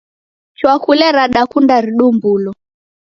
Chakule radakundika ridumbulo.